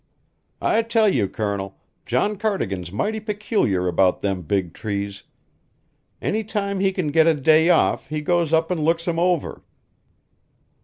I tell you, Colonel, John Cardigan's mighty peculiar about them big trees. Any time he can get a day off he goes up an' looks 'em over."